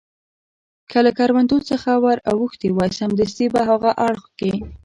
که له کروندو څخه ور اوښتي وای، سمدستي په هاغه اړخ کې.